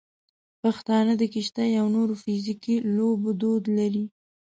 پښتانه د کشتۍ او نورو فزیکي لوبو دود لري.